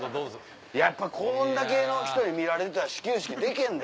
やっぱこんだけの人に見られてたら始球式でけへんで。